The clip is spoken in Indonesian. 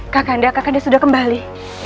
kaka anda kaka anda sudah kembali